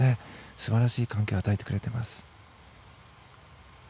素晴らしい環境を与えてくれています。